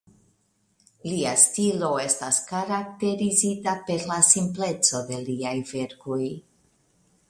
Lia stilo estas karakterizita per la simpleco de liaj verkoj.